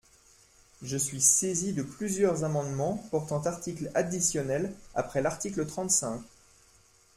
Je suis saisie de plusieurs amendements portant article additionnel après l’article trente-cinq.